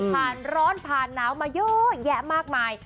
ร้อนผ่านหนาวมาเยอะแยะมากมาย